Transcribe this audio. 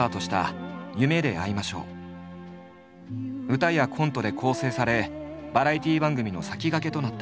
歌やコントで構成されバラエティ番組の先駆けとなった。